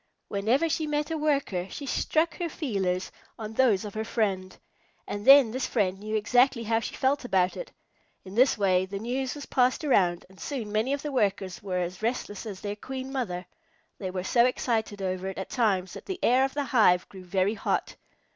Whenever she met a Worker, she struck her feelers on those of her friend, and then this friend knew exactly how she felt about it. In this way the news was passed around, and soon many of the Workers were as restless as their Queen Mother. They were so excited over it at times that the air of the hive grew very hot.